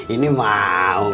ini mau gue habisin